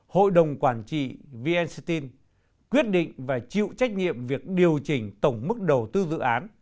hội đồng quản trị vn steel quyết định và chịu trách nhiệm việc điều chỉnh tổng mức đầu tư dự án